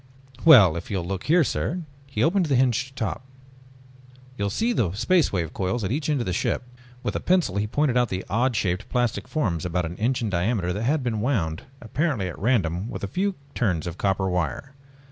"Well, if you will look here, sir...." He opened the hinged top. "You will see the Space Wave coils at each end of the ship." With a pencil he pointed out the odd shaped plastic forms about an inch in diameter that had been wound apparently at random with a few turns of copper wire.